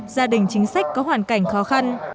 gia đình chính sách có hoàn cảnh khó khăn